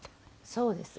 そうです。